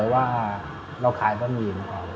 เวลาขายปะหมี่อปป้อย